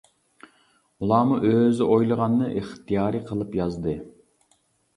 ئۇلارمۇ ئۆزى ئويلىغاننى ئىختىيارى قىلىپ يازدى.